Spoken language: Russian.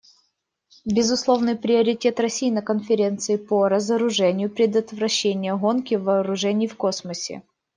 Безусловный приоритет России на Конференции по разоружению − предотвращение гонки вооружений в космосе.